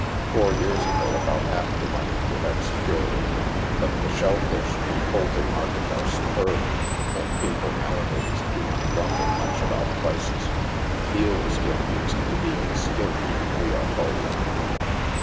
Four years ago about half the money would have secured it. But the shell fish in Fulton market are superb, and people, now a.days, do not grumble much about prices. Eels get used to being skinned, we are told.